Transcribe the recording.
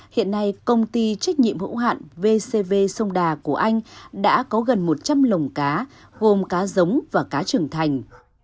hiện nay công ty trách nhiệm hữu hạn vcv sông đà của anh đã có gần một trăm linh lồng cá gồm cá giống và cá trưởng thành